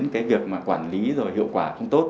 cái việc mà quản lý rồi hiệu quả không tốt